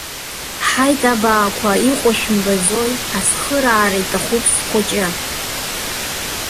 Ҳаит, абаақәа, иҟоу шәымбаӡои, ацхыраара иҭахуп схәыҷы!